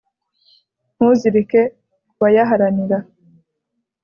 ntuzirike ku bayaharanira.